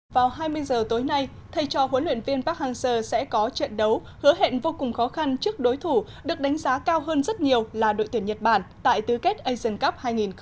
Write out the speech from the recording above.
vào hai mươi giờ tối nay thay cho huấn luyện viên park hang seo sẽ có trận đấu hứa hẹn vô cùng khó khăn trước đối thủ được đánh giá cao hơn rất nhiều là đội tuyển nhật bản tại tứ kết asian cup hai nghìn một mươi tám